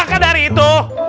maka dari itu